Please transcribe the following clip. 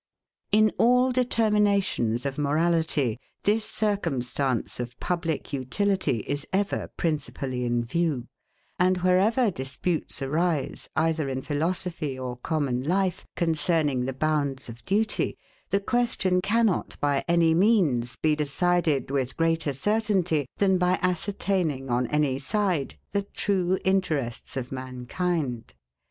In all determinations of morality, this circumstance of public utility is ever principally in view; and wherever disputes arise, either in philosophy or common life, concerning the bounds of duty, the question cannot, by any means, be decided with greater certainty, than by ascertaining, on any side, the true interests of mankind.